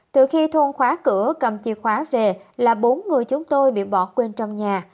từ khi thôn khóa cửa cầm chìa khóa về là bốn người chúng tôi bị bỏ quên trong nhà